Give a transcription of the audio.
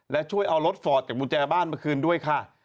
และช่วยเอารถฟอร์ตจากกุญแจบ้านมาคืนด้วยค่ะ